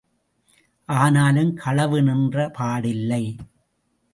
ஆனாலும் களவு நின்ற பாடில்லை.